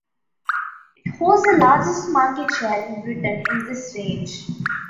It holds the largest market share in Britain in this range.